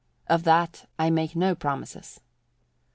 Of that, I make no promises.